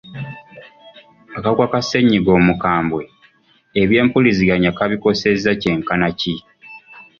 Akawuka ka ssenyiga omukambwe, ebyempuliziganya kabikosezza kyenkana ki?